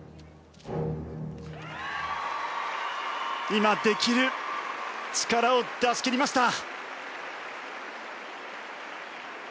今できる力を出し切りました。